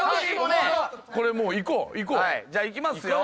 じゃあいきますよ。